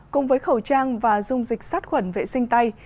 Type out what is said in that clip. cùng với khẩu trang và dung dịch sát khuẩn vệ sinh tay